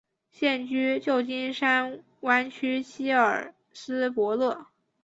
现居旧金山湾区希尔斯伯勒。